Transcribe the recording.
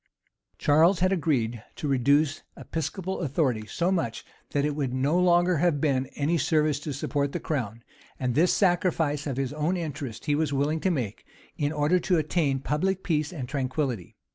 Charles had agreed to reduce episcopal authority so much, that it would no longer have been of any service to support the crown; and this sacrifice of his own interests he was willing to make, in order to attain public peace and tranquillity.